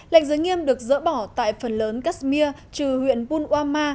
lệnh giới nghiêm được dỡ bỏ tại phần lớn kashmir trừ huyện bunwama